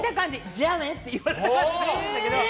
じゃあね！って言われた感じなんだけど。